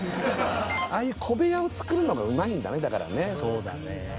ああいう小部屋を作るのがうまいんだね。